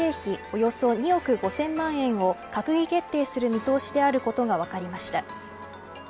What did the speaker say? およそ２億５０００万円を閣議決定する見通しであることが分かりました。